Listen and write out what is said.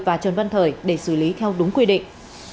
và trần văn thời để xử lý theo đúng quy định